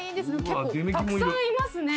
結構たくさんいますね。